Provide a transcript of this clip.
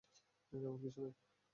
তেমন কিছু নয়।